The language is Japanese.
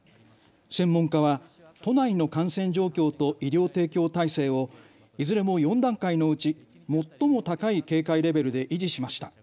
専門家は都内の感染状況と医療提供体制をいずれも４段階のうち最も高い警戒レベルで維持しました。